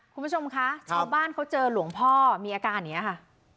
คุณผู้ชมคะชาวบ้านเขาเจอหลวงพ่อมีอาการอย่างนี้ค่ะ